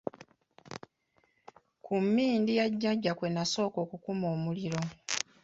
Ku mmindi ya Jjajja kwe nasooka okukuma omuliro.